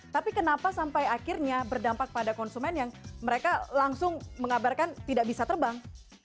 tapi kenapa sampai akhirnya berdampak pada konsumen yang mereka langsung mengabarkan tidak bisa terbang